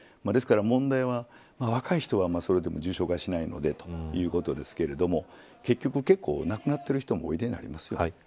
ですから、問題は若い人はそれでも重症化しないのでということですが結局、結構亡くなっている人もおいでになります。